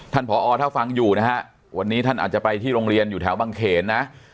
ผอถ้าฟังอยู่นะฮะวันนี้ท่านอาจจะไปที่โรงเรียนอยู่แถวบางเขนนะ